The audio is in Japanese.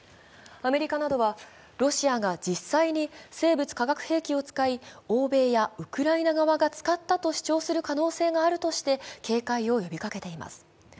アメリカなどは、ロシアが実際に生物・化学兵器を使い欧米やウクライナ側が使ったと主張する可能性があるとして警戒を呼びかけています。